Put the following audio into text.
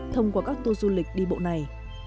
thông qua các tour du lịch đi bộ này